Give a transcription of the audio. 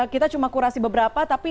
kita cuma kurasi beberapa tapi